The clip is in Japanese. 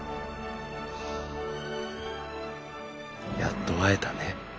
やっと会えたね。